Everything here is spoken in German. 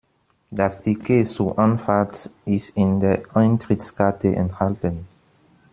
Das Ticket zur Anfahrt ist in der Eintrittskarte enthalten.